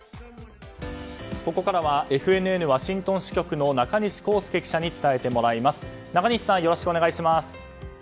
ここからはＦＮＮワシントン支局の中西孝介記者に伝えてもらいます。